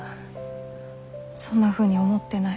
そんなふうに思ってない。